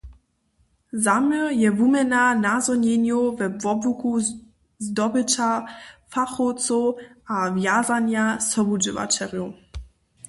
Zaměr je wuměna nazhonjenjow we wobłuku zdobyća fachowcow a wjazanja sobudźěłaćerjow.